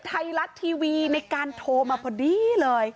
ไทยรัฐทีวีในการโทรมาพอดีเลย